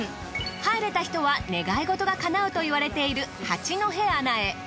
入れた人は願い事がかなうといわれている八戸穴へ。